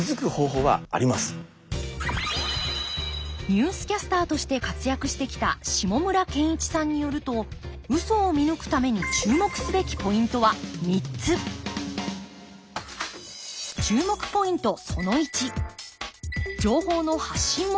ニュースキャスターとして活躍してきた下村健一さんによるとウソを見抜くために注目すべきポイントは３つ注目ポイント